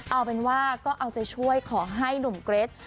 เอาเป็นว่าก็เอาใจช่วยขอให้หนุ่มเกรท